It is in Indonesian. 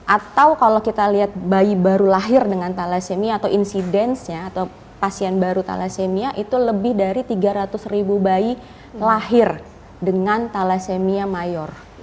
atau kalau kita lihat bayi baru lahir dengan thalassemia atau insidence nya atau pasien baru thalassemia itu lebih dari tiga ratus ribu bayi lahir dengan thalassemia mayor